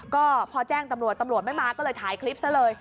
ก็พอแจ้งตำรวจตำรวจไม่มาก็เลยถ่ายคลิปซะเลย